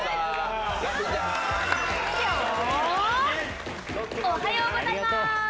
ピョーン、おはようございます。